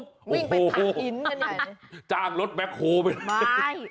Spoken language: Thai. วิ่งไปทางอินทร์กันใหญ่เลยโอ้โหจ้างรถแบ็คโครไปเลยไม่ไม่